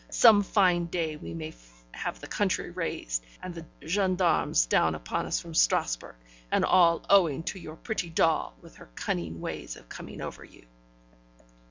Some fine day we may have the country raised, and the gendarmes down upon us from Strasburg, and all owing to your pretty doll, with her cunning ways of coming over you.'